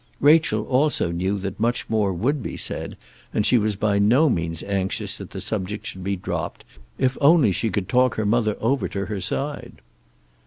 Rachel also knew that much more would be said, and she was by no means anxious that the subject should be dropped, if only she could talk her mother over to her side.